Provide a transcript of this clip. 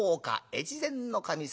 越前守様